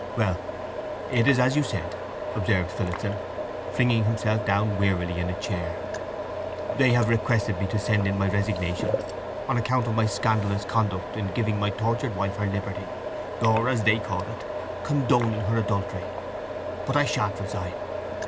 "Well; it is as you said," observed Phillotson, flinging himself down wearily in a chair. "They have requested me to send in my resignation on account of my scandalous conduct in giving my tortured wife her liberty—or, as they call it, condoning her adultery. But I shan't resign!"